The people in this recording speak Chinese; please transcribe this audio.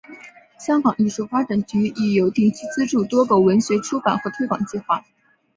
香港艺术发展局亦有定期资助多个文学出版和推广计划。